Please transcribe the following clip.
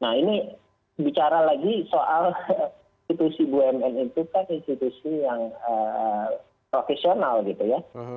nah ini bicara lagi soal institusi bumn itu kan institusi yang profesional gitu ya